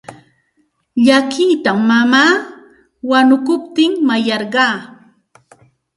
Llakita mamaa wanukuptin mayarqaa.